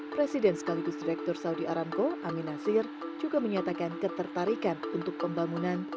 presiden sekaligus direktur saudi aramco amin nasir juga menyatakan ketertarikan untuk pembangunan